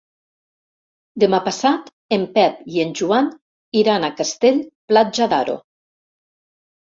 Demà passat en Pep i en Joan iran a Castell-Platja d'Aro.